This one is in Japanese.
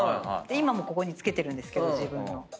今もここに着けてるんですけど自分の。